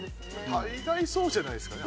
大概そうじゃないですかね。